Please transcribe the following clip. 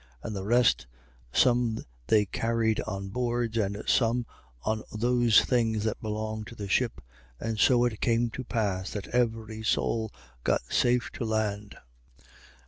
27:44. And the rest, some they carried on boards and some on those things that belonged to the ship. And so it came to pass that every soul got safe to land.